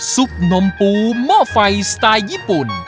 บนมปูหม้อไฟสไตล์ญี่ปุ่น